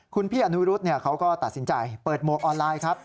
คุณพี่อนุรุษเขาก็ตัดสินใจเปิดหมวกออนไลน์ครับ